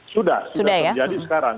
sudah sudah terjadi sekarang